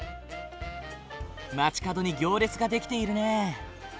街角に行列が出来ているねえ。